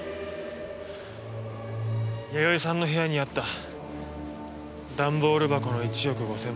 弥生さんの部屋にあった段ボール箱の１億５０００万。